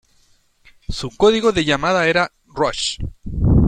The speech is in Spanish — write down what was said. Su código de llamada era "Roach".